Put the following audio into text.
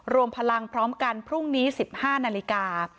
รวมพลังพร้อมกันพรุ่งนี้๑๕นาฬิกา